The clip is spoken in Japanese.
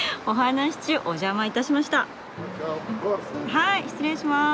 はい失礼します。